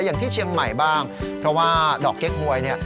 อย่างที่เชียงใหม่บ้างเพราะว่าดอกเก๊กหวยเนี่ย